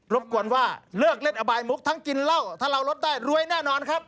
บกวนว่าเลิกเล่นอบายมุกทั้งกินเหล้าถ้าเรารสได้รวยแน่นอนครับ